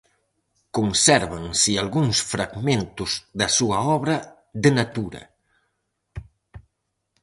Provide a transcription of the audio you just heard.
Consérvanse algúns fragmentos da súa obra De Natura.